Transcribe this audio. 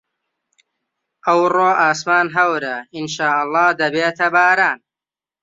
ئەوڕۆ ئاسمان هەورە، ئینشاڵڵا دەبێتە باران.